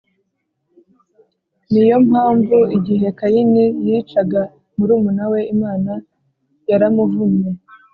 Ni yo mpamvu igihe Kayini yicaga murumana we Imana yaramuvumye